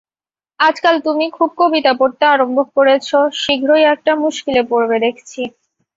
আজকাল তুমি খুব কবিতা পড়তে আরম্ভ করেছ, শীঘ্রই একটা মুশকিলে পড়বে দেখছি!